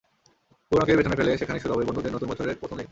পুরোনোকে পেছনে ফেলে সেখানেই শুরু হবে বন্ধুদের নতুন বছরের প্রথম দিন।